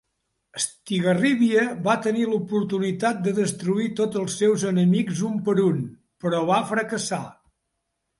Estigarribia va tenir l'oportunitat de destruir tots els seus enemics un per un, però va fracassar.